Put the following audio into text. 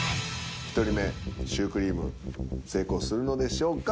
１人目シュークリーム成功するのでしょうか。